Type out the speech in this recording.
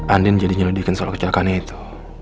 andin jadinya ludihkan soal kecelakaan itu